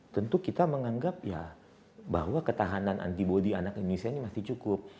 tentu kita menganggap ya bahwa ketahanan antibody anak indonesia ini masih cukup